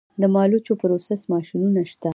د مالوچو پروسس ماشینونه شته